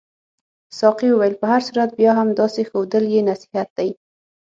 ساقي وویل په هر صورت بیا هم داسې ښودل یې نصیحت دی.